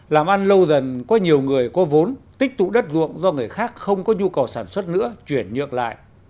làm ăn lâu dần có nhiều người có vốn tích tụ đất ruộng do người khác không có nhu cầu sản xuất nữa chuyển nhượng lại